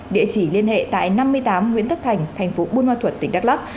địa chỉ liên hệ tại năm mươi tám nguyễn thất thành tp bùn hoa thuật tỉnh đắk lắk